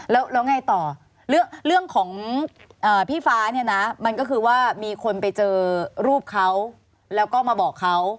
แล้วไงต่อเรื่องของพี่ฟ้าเนี่ยนะมันก็คือว่ามีคนไปเจอรูปเขาแล้วก็มาบอกเขา